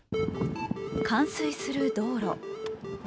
冠水する道路。